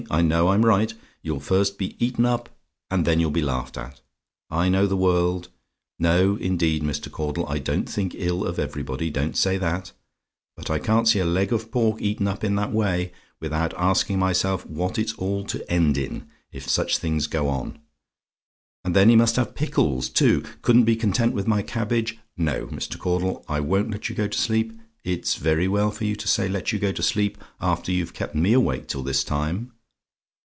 I know I'm right. You'll first be eaten up, and then you'll be laughed at. I know the world. No, indeed, Mr. Caudle, I don't think ill of everybody; don't say that. But I can't see a leg of pork eaten up in that way, without asking myself what it's all to end in if such things go on? And then he must have pickles, too! Couldn't be content with my cabbage no, Mr. Caudle, I won't let you go to sleep. It's very well for you to say let you go to sleep, after you've kept me awake till this time.